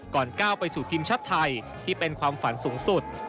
ก้าวไปสู่ทีมชาติไทยที่เป็นความฝันสูงสุด